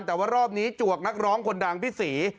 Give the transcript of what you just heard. แต่ว่ารอบนี้จวกนักร้องคนดังพี่ศรี